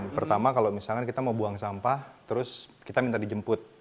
pertama kalau misalkan kita mau buang sampah terus kita minta dijemput